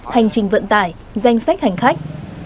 hành trình vận tải danh sách hành khách